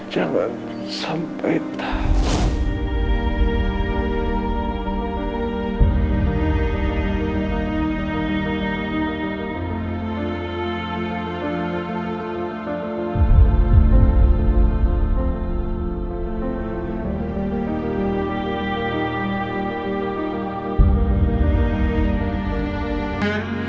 jangan sampai tak